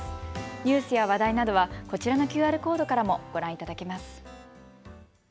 ニュースや話題などはこちらのＱＲコードからもご覧いただけます。